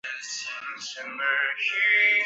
关人口变化图示